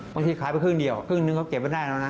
ขายไปครึ่งเดียวครึ่งนึงเขาเก็บไว้ได้แล้วนะ